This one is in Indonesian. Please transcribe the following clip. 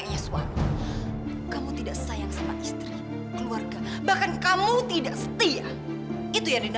rasaan gue duluan dateng ya